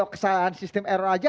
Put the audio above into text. kesalahan sistem error aja